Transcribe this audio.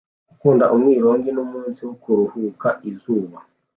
Gukunda umwironge n'umunsi wo kuruhuka izuba